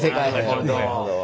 なるほど。